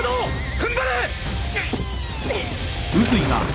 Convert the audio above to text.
踏ん張れ！